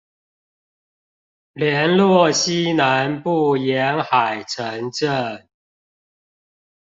聯絡西南部沿海城鎮